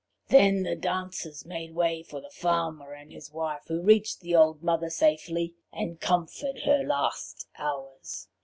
Then the dancers made way for the farmer and his wife, who reached the old mother safely, and comforted her last hours.